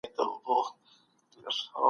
د سیاست په برخه کي نوي پرمختګونه مطالعه کړئ.